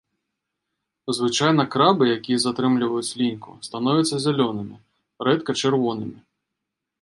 Звычайна крабы, якія затрымліваюць ліньку, становяцца зялёнымі, рэдка-чырвонымі.